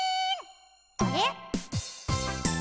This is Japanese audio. あれ？